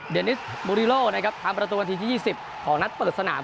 เดนิสบูริโลทำประตูวันที่๒๐ของนัดเปิดสนาม